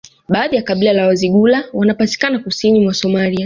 Baadhi ya kabila la Wazigula wanapatikana kusini mwa Somalia